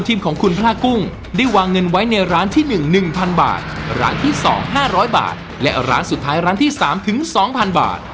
ทีมของคุณพระกุ้งได้วางเงินไว้ในร้านที่๑๑๐๐บาทร้านที่๒๕๐๐บาทและร้านสุดท้ายร้านที่๓ถึง๒๐๐บาท